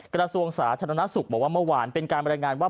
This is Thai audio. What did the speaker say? กระทรวงสาธารณสุขบอกว่าเมื่อวานเป็นการบรรยายงานว่า